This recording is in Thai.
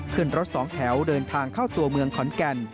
ขึ้นรถสองแถวเดินทางเข้าตัวเมืองขอนแก่น